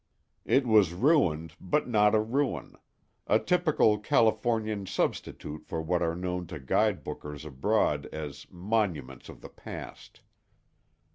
It was ruined, but not a ruin—a typical Californian substitute for what are known to guide bookers abroad as "monuments of the past."